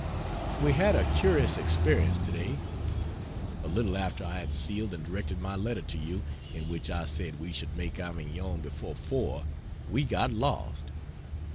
We had a curious experience today. A little after I had sealed and directed my letter to you, in which I said we should make Avignon before 4, we got lost.